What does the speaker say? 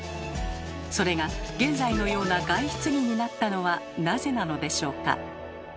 それが現在のような外出着になったのはなぜなのでしょうか？